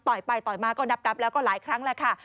ไปต่อยมาก็นับแล้วก็หลายครั้งแล้วค่ะ